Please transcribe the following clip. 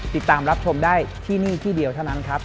ติดตามรับชมได้ที่นี่ที่เดียวเท่านั้นครับ